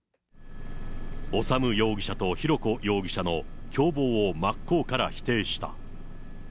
修容疑者と浩子容疑者の共謀を真っ向から否定した。